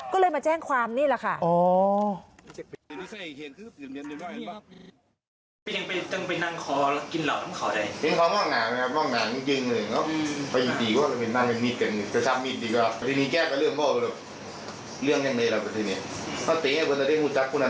ก็เลยมาแจ้งความนี่แหละค่ะ